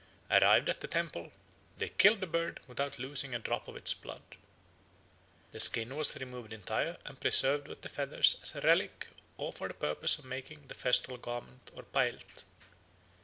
Arrived at the temple, they killed the bird without losing a drop of its blood. The skin was removed entire and preserved with the feathers as a relic or for the purpose of making the festal garment or _paelt.